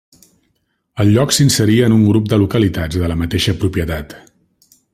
El lloc s'inseria en un grup de localitats de la mateixa propietat.